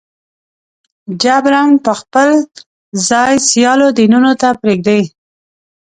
جبراً به خپل ځای سیالو دینونو ته پرېږدي.